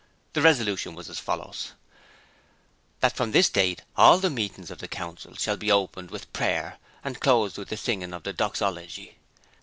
The resolution was as follows: 'That from this date all the meetings of this Council shall be opened with prayer and closed with the singing of the Doxology.'